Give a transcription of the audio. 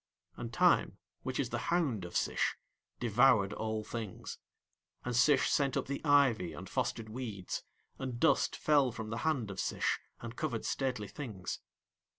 And Time, which is the hound of Sish, devoured all things; and Sish sent up the ivy and fostered weeds, and dust fell from the hand of Sish and covered stately things.